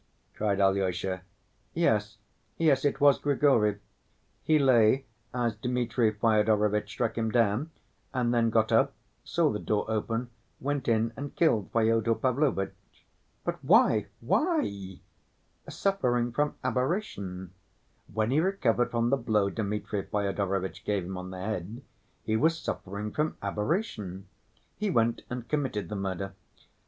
cried Alyosha. "Yes, yes; it was Grigory. He lay as Dmitri Fyodorovitch struck him down, and then got up, saw the door open, went in and killed Fyodor Pavlovitch." "But why, why?" "Suffering from aberration. When he recovered from the blow Dmitri Fyodorovitch gave him on the head, he was suffering from aberration; he went and committed the murder.